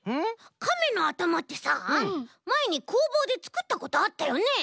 カメのあたまってさまえにこうぼうでつくったことあったよね？